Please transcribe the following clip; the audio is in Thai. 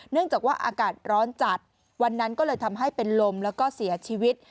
เนื่องจากว่าอากาศร้อนจัดวันนั้นก็เลยทำให้เป็นลมแล้วก็เสียชีวิต